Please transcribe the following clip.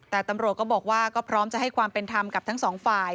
แต่ตำรวจก็บอกว่าก็พร้อมจะให้ความเป็นธรรมกับทั้งสองฝ่าย